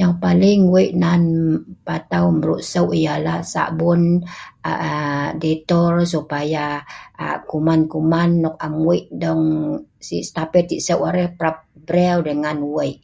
Yang paling weik nan patau mruk sok' ialah sabun dettol supaya kuman-kuman nok am weik dong sik tapet sik sok' arai dapat breu dengan weik